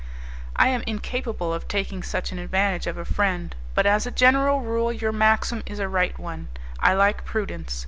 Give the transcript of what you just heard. "I am incapable of taking such an advantage of a friend; but as a general rule your maxim is a right one; I like prudence.